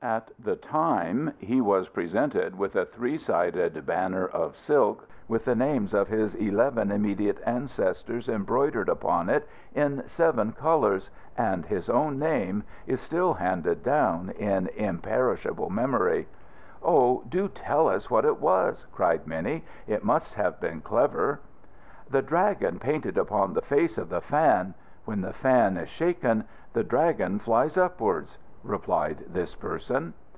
At the time he was presented with a three sided banner of silk with the names of his eleven immediate ancestors embroidered upon it in seven colours, and his own name is still handed down in imperishable memory." "Oh, do tell us what it was," cried many. "It must have been clever." "'The Dragon painted upon the face of the fan: When the fan is shaken the Dragon flies upwards,'" replied this person.